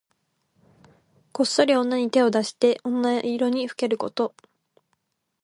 こっそり女に手を出して女色にふけること。